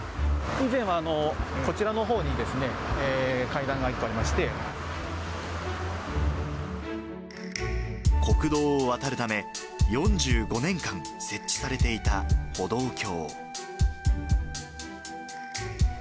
以前は、こちらのほうにですね、国道を渡るため、４５年間設置されていた歩道橋。